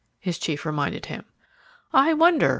his chief reminded him. "I wonder!"